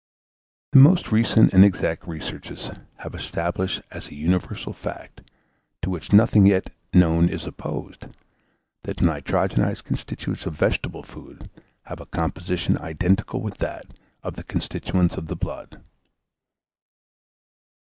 The most recent and exact researches have established as a universal fact, to which nothing yet known is opposed, that the nitrogenised constituents of vegetable food have a composition identical with that of the constituents of the blood.